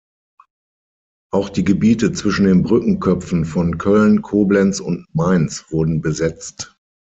Auch die Gebiete zwischen den Brückenköpfen von Köln, Koblenz und Mainz wurden besetzt.